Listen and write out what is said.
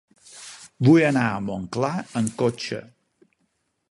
Vull anar a Montclar amb cotxe.